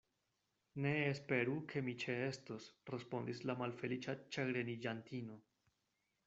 Ne esperu, ke mi ĉeestos, respondis la malfeliĉa ĉagreniĝantino.